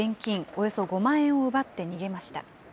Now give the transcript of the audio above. およそ５万円を奪って逃げました。